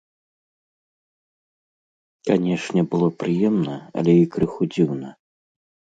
Канешне, было прыемна, але і крыху дзіўна.